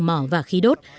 sầu mỏ và khí đốt